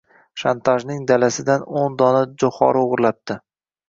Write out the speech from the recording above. Shantajning dalasidan o’n dona joʻhori oʻgʻirlabdi..